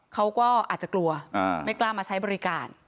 เขาก็อาจจะกลัวไม่กล้ามาใช้บริการ